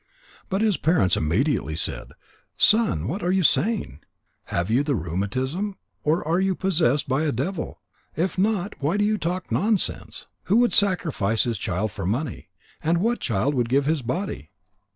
But his parents immediately said: "Son, what are you saying? Have you the rheumatism? Or are you possessed by a devil? If not, why do you talk nonsense? Who would sacrifice his child for money? And what child would give his body?"